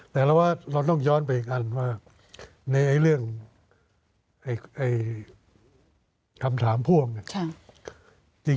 แต่เราว่าเราต้องย้อนไปกันว่าในเรื่องคำถามพ่วงเนี่ย